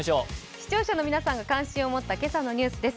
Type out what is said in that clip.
視聴者の皆さんが関心を持った今朝のニュースです。